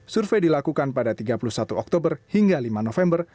survei dilakukan pada tiga puluh satu oktober hingga lima november